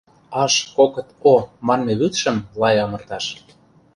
Аш-кокыт-о манме вӱдшым-лай амырташ